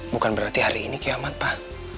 bukan berarti hari ini kiamat pak